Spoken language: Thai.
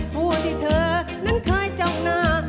ผู้ที่เธอนั้นเคยจ้องหน้า